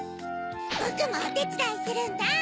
ぼくもおてつだいするんだ！